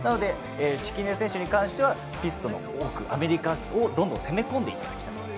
敷根選手に関してはピストの奥、アメリカをどんどん攻め込んでいただきたい。